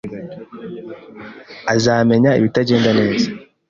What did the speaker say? azamenya ibitagenda neza.